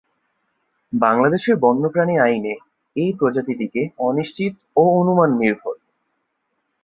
বাংলাদেশের বন্যপ্রাণী আইনে এ প্রজাতিটিকে অনিশ্চিত ও অনুমান নির্ভর।